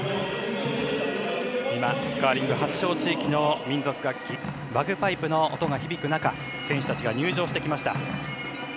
今、カーリング発祥地域の民族楽器バグパイプの音が響く中選手たちが入場してきました。